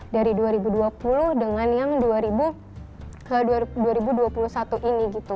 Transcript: dari dua ribu dua puluh dengan yang dua ribu dua puluh satu ini gitu